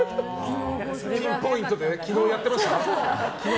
ピンポイントで昨日やってました？